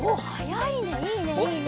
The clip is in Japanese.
いいねいいね！